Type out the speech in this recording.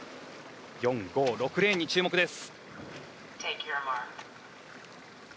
４、５、６レーンに注目です。